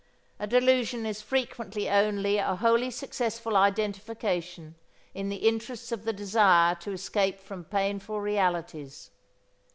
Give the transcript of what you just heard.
A delusion is frequently only a wholly successful identification in the interests of the desire to escape from painful realities.